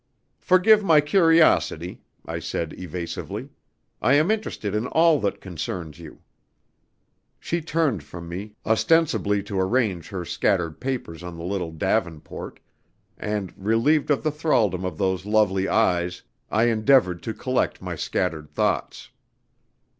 "Forgive my curiosity," I said evasively. "I am interested in all that concerns you." She turned from me, ostensibly to arrange her scattered papers on the little davenport, and, relieved of the thraldom of those lovely eyes, I endeavoured to collect my scattered thoughts.